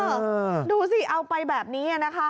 ดูสิเอาไปแบบนี้นะคะ